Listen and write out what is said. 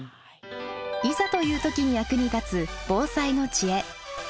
いざという時に役に立つ防災の知恵。